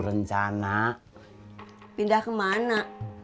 rencana pindah kemana